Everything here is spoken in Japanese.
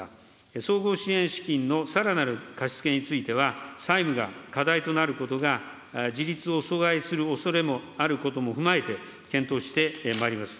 総合支援資金のさらなる貸し付けについては、債務が課題となることが自立を阻害するおそれもあることを踏まえて、検討してまいります。